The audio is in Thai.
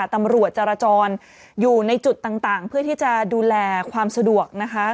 จรจรอยู่ในจุดต่างเพื่อที่จะดูแลความสะดวกนะคะ